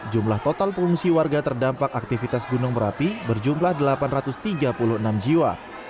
jumlah total pengungsi warga terdampak aktivitas gunung merapi berjumlah delapan ratus tiga puluh enam jiwa